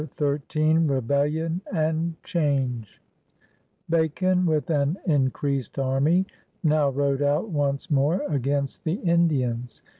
CHAPTER Xm BEBELUON AND CHANGE Bacon with an increased army now rode out once more against the Indians.